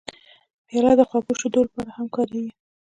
پیاله د خوږو شیدو لپاره هم کارېږي.